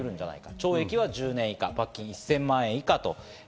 懲役は１０年以下、罰金は１０００万円以下。